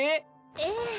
ええ。